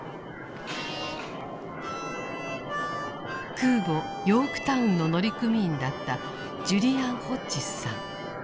空母「ヨークタウン」の乗組員だったジュリアン・ホッジスさん。